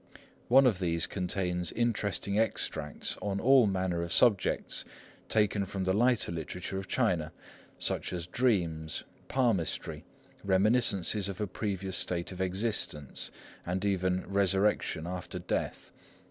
One of these contains interesting extracts on all manner of subjects taken from the lighter literature of China, such as Dreams, Palmistry, Reminiscences of a Previous State of Existence, and even Resurrection after Death.